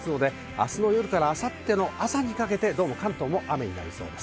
明日の夜から明後日にかけて関東も雨になりそうです。